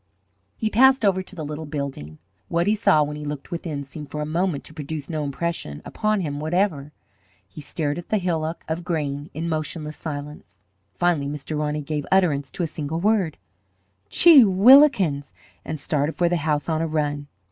He passed over to the little building. What he saw when he looked within seemed for a moment to produce no impression upon him whatever. He stared at the hillock of grain in motionless silence. Finally Mr. Roney gave utterance to a single word, "Geewhilikins!" and started for the house on a run.